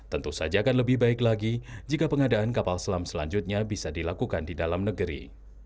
tentu saja akan lebih baik lagi jika pengadaan kapal selam selanjutnya bisa dilakukan di dalam negeri